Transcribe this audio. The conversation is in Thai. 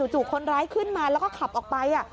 จู่คนร้ายขึ้นมาแล้วก็ขับออกไป